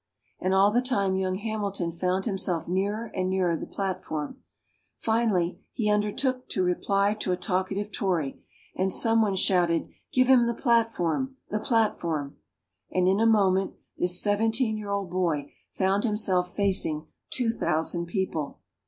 And all the time young Hamilton found himself nearer and nearer the platform. Finally, he undertook to reply to a talkative Tory, and some one shouted, "Give him the platform the platform!" and in a moment this seventeen year old boy found himself facing two thousand people.